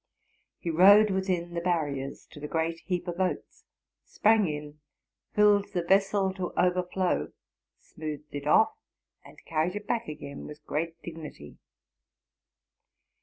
He rode within the barriers to the great heap of oats, sprang in. filled the vessel to overflow, smoothed it off, and earried it back again with great dignity.